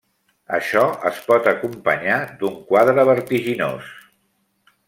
Això es pot acompanyar d'un quadre vertiginós.